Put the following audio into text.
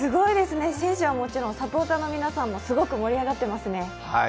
選手はもちろん、サポーターの皆さんも、すごく盛り上がってますね。